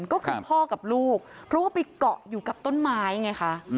ก็คือพ่อกับลูกเพราะว่าไปเกาะอยู่กับต้นไม้ไงคะ